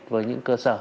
với những cơ sở